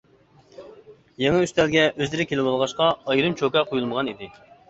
يېڭى ئۈستەلگە ئۆزلىرى كېلىۋالغاچقا، ئايرىم چوكا قۇيۇلمىغان ئىدى.